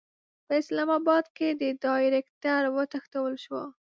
په اسلاماباد کې د ډایرکټر وتښتول شو.